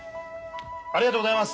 ありがとうございます。